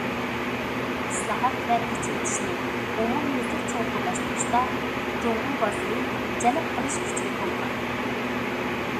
ئىسلاھات ۋە ئېچىۋېتىشنى ئومۇميۈزلۈك چوڭقۇرلاشتۇرۇشتا، جۇڭگو بازىرى جەلپ قىلىش كۈچىگە تولغان.